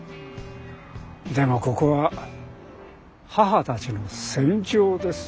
でもここは母たちの戦場です。